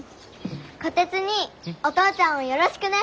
虎鉄にいお父ちゃんをよろしくね。